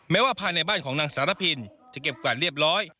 ว่าภายในบ้านของนางสารพินจะเก็บกวาดเรียบร้อย